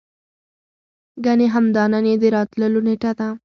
ګني همدا نن يې د راتللو نېټه ده.